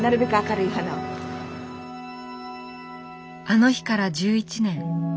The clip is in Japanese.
あの日から１１年。